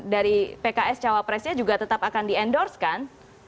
dari pks cawapresnya juga tetap akan diendorsekan